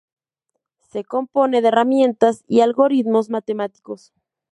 Se compone de herramientas y algoritmos matemáticos.